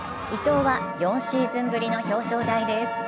伊藤は４シーズンぶりの表彰台です